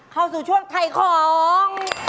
เข้าสู่ช่วงไทยของ